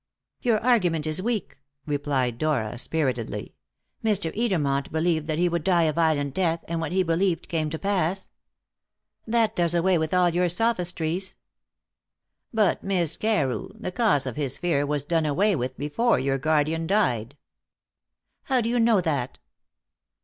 "Your argument is weak," replied Dora spiritedly. "Mr. Edermont believed that he would die a violent death, and what he believed came to pass. That does away with all your sophistries." "But, Miss Carew, the cause of his fear was done away with before your guardian died." "How do you know that?"